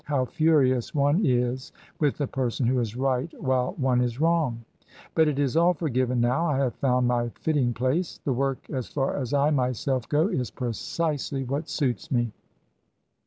How furious one is with the person who is right while one is wrong ! But it is all forgiven now. I have found my fitting place. The work as far as I myself go is precisely what suits me."